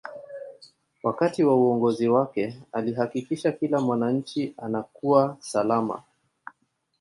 wakati wa uongozi wake alihakikisha kila mwananchi anakuwa salama